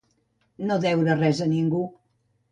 No deure res a ningú.